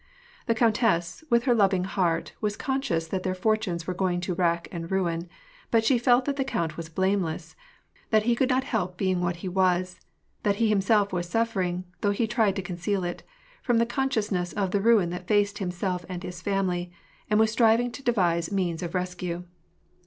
The countess, with her loving heart, was conscious that their fortunes were going to rack and ruin ; but she felt that the count was blameless ; that he could not help being what he was ; that he himself was suffering, — though he tried to con ceal it, — from the consciousness of the ruin that faced himself and his family, and was striving to devise means of rescue.